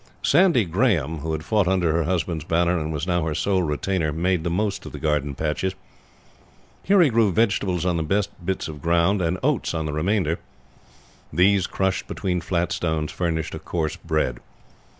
Sandy Grahame, who had fought under her husband's banner and was now her sole retainer, made the most of the garden patches. Here he grew vegetables on the best bits of ground and oats on the remainder; these, crushed between flat stones, furnished a coarse bread.